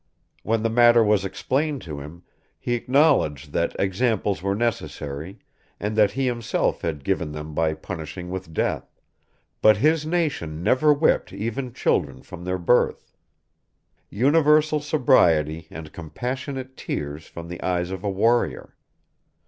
When the matter was explained to him, "he acknowledged that examples were necessary, and that he himself had given them by punishing with death; but his nation never whipped even children from their birth." Universal sobriety, and compassionate tears from the eyes of a warrior!